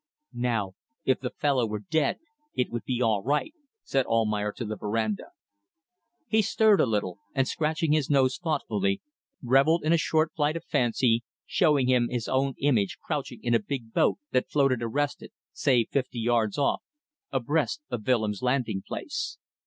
"Now if the fellow were dead it would be all right," said Almayer to the verandah. He stirred a little, and scratching his nose thoughtfully, revelled in a short flight of fancy, showing him his own image crouching in a big boat, that floated arrested say fifty yards off abreast of Willems' landing place.